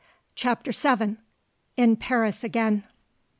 Chapter 7: In Paris Again.